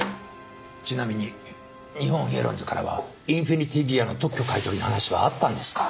ちなみに日本ヘロンズからはインフィニティギアの特許買い取りの話はあったんですか？